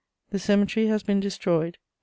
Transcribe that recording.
The cemetery has been destroyed and M.